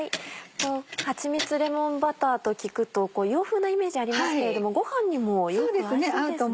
はちみつレモンバターと聞くと洋風なイメージありますけれどもご飯にもよく合いそうですね。